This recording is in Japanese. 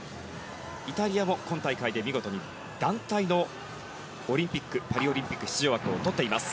イタリアも今大会で見事に団体のパリオリンピック出場枠をとっています。